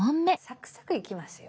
サクサクいきますよ。